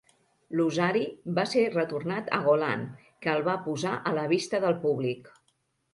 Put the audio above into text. L'osari va ser retornat a Golan, que el va posar a la vista del públic.